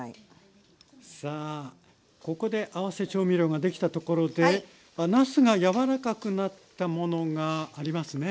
さあここで合わせ調味料ができたところでなすが柔らかくなったものがありますね